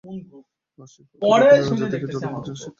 আর সিংহ ততক্ষনেই রাজা থাকে যতক্ষন পর্যন্ত সে একা তাকে।